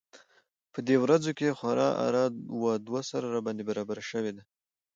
په دې ورځو کې خورا اره و دوسره راباندې برابره شوې ده.